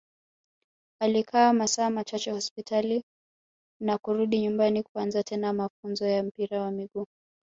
alikaa masaa machache hospitali na kurudi nyumbani kuanza tena mafunzo ya mpira wa miguu